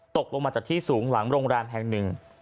ตกลงมาจากที่สูงหลังโรงแรมแห่งหนึ่ง